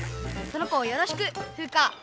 その子をよろしくフウカ。